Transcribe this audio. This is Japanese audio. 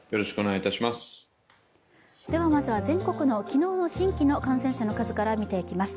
まずは、全国の昨日の新規の感染者の数から見ていきます。